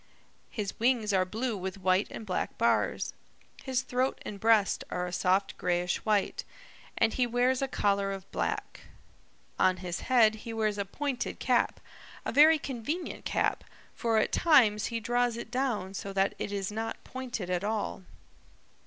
His wings are blue with white and black bars. His throat and breast are a soft grayish white, and he wears a collar of black. On his head he wears a pointed cap, a very convenient cap, for at times he draws it down so that it is not pointed at all.